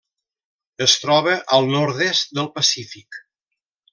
Es troba al nord-est del Pacífic.